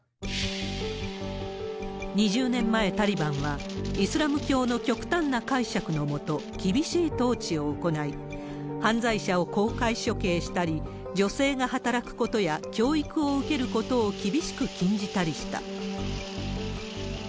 ２０年前、タリバンはイスラム教の極端な解釈のもと、厳しい統治を行い、犯罪者を公開処刑したり、女性が働くことや教育を受けることを厳しく禁じたりした。